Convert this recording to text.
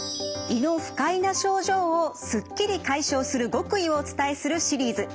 胃の不快な症状をすっきり解消する極意をお伝えするシリーズ。